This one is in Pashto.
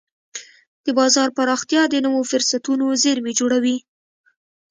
د بازار پراختیا د نوو فرصتونو زېرمې جوړوي.